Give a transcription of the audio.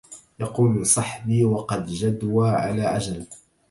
يقول صحبي وقد جدوا على عجل